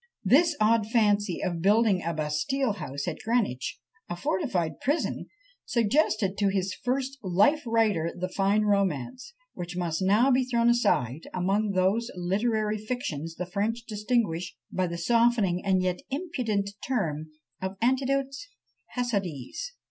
This odd fancy of building a "Bastile House" at Greenwich, a fortified prison! suggested to his first life writer the fine romance; which must now be thrown aside among those literary fictions the French distinguish by the softening and yet impudent term of "_Anecdotes hasardées!